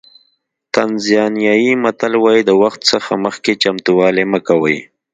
تانزانیایي متل وایي د وخت څخه مخکې چمتووالی مه کوئ.